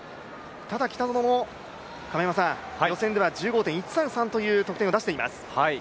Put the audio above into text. ただ北園も予選では１５．１３３という得点を出しています。